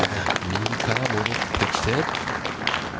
右から戻ってきて。